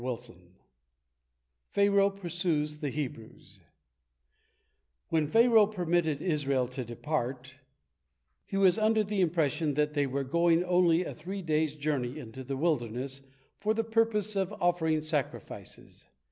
PHARAOH PURSUES THE HEBREWS When Pharaoh permitted Israel to depart, he was under the impression that they were going only a three days' journey into the wilderness for the purpose of offering sacrifices.